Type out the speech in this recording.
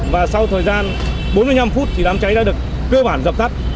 và sau thời gian bốn mươi năm phút thì đám cháy đã được cơ bản dập tắt